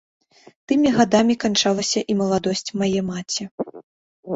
Тымі гадамі канчалася і маладосць мае маці.